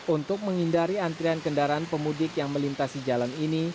untuk menghindari antrian kendaraan pemudik yang melintasi jalan ini